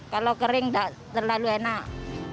kalau kering tidak terlalu enak